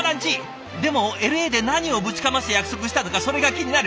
でもＬ．Ａで何をぶちかます約束したのかそれが気になる。